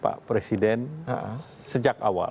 pak presiden sejak awal